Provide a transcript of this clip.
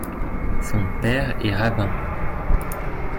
Son père est rabbin.